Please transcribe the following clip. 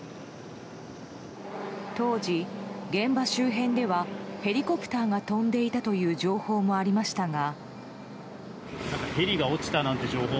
当時、現場周辺ではヘリコプターが飛んでいたという情報もありましたが。